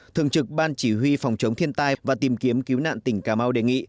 thường trực ban chỉ huy phòng chống thiên tai và tìm kiếm cứu nạn tỉnh cà mau đề nghị